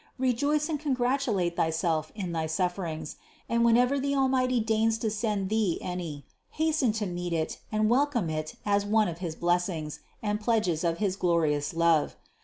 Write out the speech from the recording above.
Rejoice and congratulate thyself in thy sufferings, and whenever the Almighty deigns to send thee any, hasten to meet it and welcome it as one of his blessings and pledges of his glorious love.